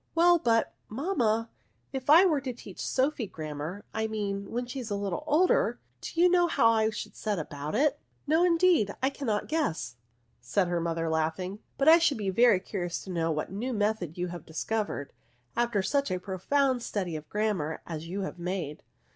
Well but, mamma, if I were to teach Sophy grammar, — I mean, when she is a little older, — do you know how I should set about it?" NOUNS, y " No, indeed^ I cannot guess/' said her mother, laughing ;" but I should be very curious to know what new method you have discovered, after such a profound study of grammar as you have made."